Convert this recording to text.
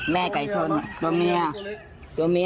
ไก่ชนตัวเมียตัวเมีย